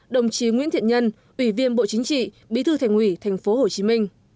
một mươi sáu đồng chí nguyễn thiện nhân ủy viên bộ chính trị bí thư thành ủy tp hcm